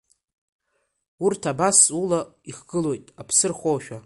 Урҭ абас ула ихгылоит аԥсы рхоушәа…